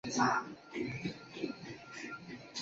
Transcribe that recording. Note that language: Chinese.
沙尔穆瓦尔。